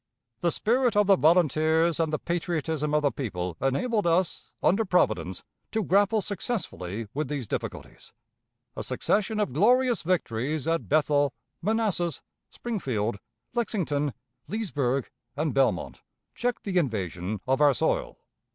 The spirit of the volunteers and the patriotism of the people enabled us, under Providence, to grapple successfully with these difficulties. A succession of glorious victories at Bethel, Manassas, Springfield, Lexington, Leesburg, and Belmont, checked the invasion of our soil.